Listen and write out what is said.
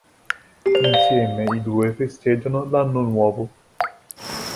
Insieme i due festeggiano l'anno nuovo.